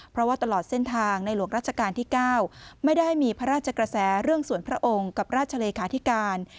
เพราะว่าตลอดเส้นทางในหลวงราชการที่๙ไม่ได้มีพระราชกระแสเรื่องส่วนพระองค์กับราชเลขาธิการ